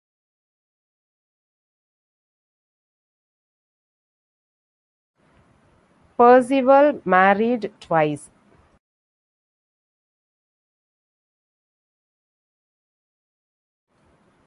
Perceval married twice.